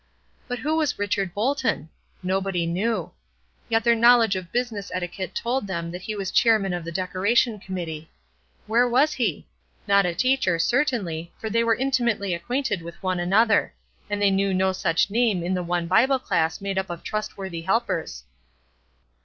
But who was Richard Bolton? Nobody knew. Yet their knowledge of business etiquette told them that he was chairman of the Decoration Committee. Where was he? Not a teacher, certainly, for they were intimately acquainted with one another; and they knew no such name in the one Bible class made up of trustworthy helpers.